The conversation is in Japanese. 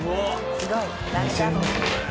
すごい。